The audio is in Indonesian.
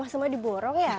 semua diborong ya